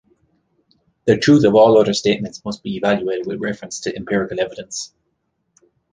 The truth of all other statements must be evaluated with reference to empirical evidence.